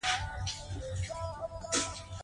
زدهکړې د مور او ماشوم د مړینې کچه راټیټوي.